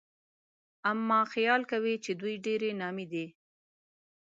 اما خيال کوي چې دوی ډېرې نامي دي